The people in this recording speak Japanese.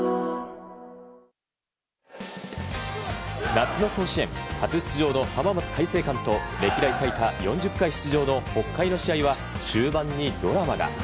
夏の甲子園初出場の浜松開誠館と歴代最多４０回出場の北海の試合は終盤にドラマが。